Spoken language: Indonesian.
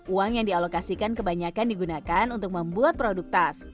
uang yang dialokasikan kebanyakan digunakan untuk membuat produk tas